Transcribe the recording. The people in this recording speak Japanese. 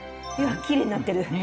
いやきれいになってる。